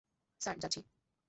Sir, যাচ্ছি।